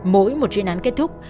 mỗi một chuyên án kết thúc